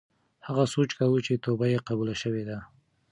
هغه سوچ کاوه چې توبه یې قبوله شوې ده.